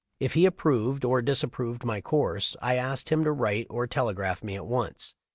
If he approved or disapproved my course I asked him to write or telegraph me at once.